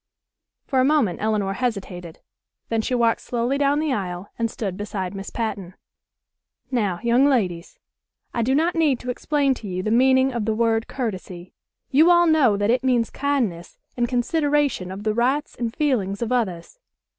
For a moment Elinor hesitated. Then she walked slowly down the aisle and stood beside Miss Patten. "Now, young ladies, I do not need to explain to you the meaning of the word 'courtesy.' You all know that it means kindness and consideration of the rights and feelings of others.